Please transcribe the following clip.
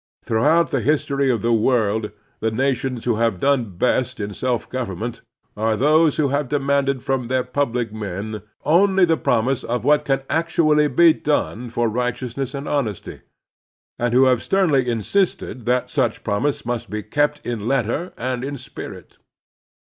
Through out the history of the world the nations who have done best in self government are those who have demanded from their public men only the promise of what can actually be done for righteousness and honesty, and who have sternly insisted that such promise must be kept in letter and in spirit.